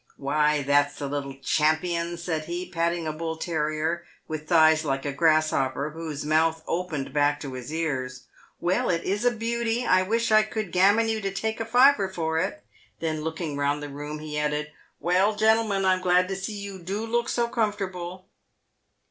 "Why, that's the little champion," said he, patting a bull terrier, with thighs like a grasshopper, whose mouth opened back to its ears. " Well, it is a beauty ! I wish I could gammon you to take a fiver for it." Then, looking round the room, he added :" Well, gentlemen, I'm glad to see you do look so com fortable."